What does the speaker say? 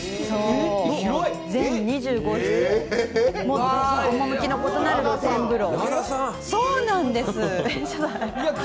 全２５室、趣の異なる露天風呂。